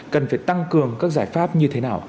cần phải tăng cường các giải pháp như thế nào